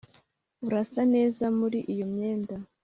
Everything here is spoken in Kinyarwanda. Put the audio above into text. urasa neza muri iyo myenda